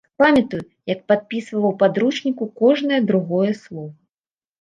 Памятаю, як падпісвала ў падручніку кожнае другое слова.